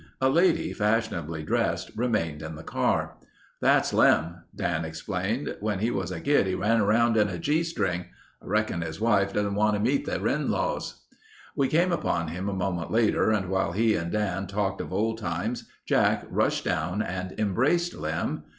A lady fashionably dressed remained in the car. "That's Lem," Dan explained. "When he was a kid he ran around in a gee string. I reckon his wife doesn't want to meet the in laws." We came upon him a moment later and while he and Dan talked of old times Jack rushed down and embraced Lem.